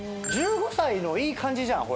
１５歳のいい感じじゃん。